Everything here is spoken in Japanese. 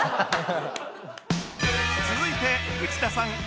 続いて内田さん